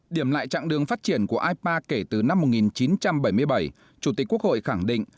điểm lại chặng đường phát triển của ipa kể từ năm một nghìn chín trăm bảy mươi bảy chủ tịch quốc hội khẳng định